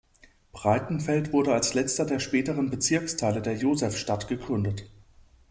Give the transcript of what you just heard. Breitenfeld wurde als letzter der späteren Bezirksteile der Josefstadt gegründet.